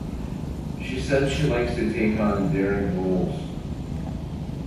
She said she likes to take on daring roles.